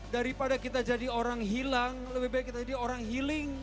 daripada kita jadi orang hilang lebih baik kita jadi orang healing